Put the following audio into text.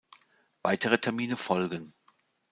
Weitere Termine folgen.